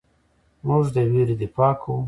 موږ د ویرې دفاع کوو.